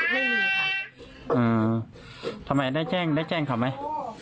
ไม่มีค่ะทำไมได้แจ้งได้แจ้งเขาไหม